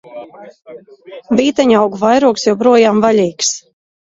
Vīteņaugu vairogs joprojām vaļīgs!